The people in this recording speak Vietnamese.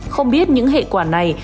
không biết những hệ quả này